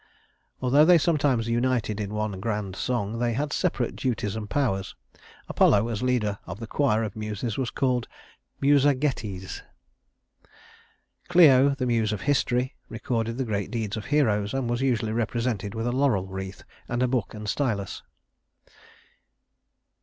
Although they sometimes united in one grand song, they had separate duties and powers. Apollo as leader of the choir of Muses was called Musagetes. Clio, the Muse of history, recorded the great deeds of heroes, and was usually represented with a laurel wreath, and a book and stylus.